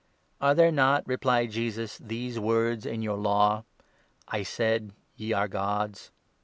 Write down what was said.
"" Are there not," replied Jesus, " these words in your Law — 34 'I said " Ye are gods